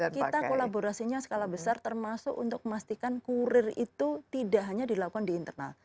kita kolaborasinya skala besar termasuk untuk memastikan kurir itu tidak hanya dilakukan di internal